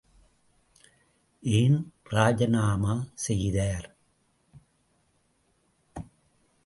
ஏன் ராஜிநாமா செய்தார்?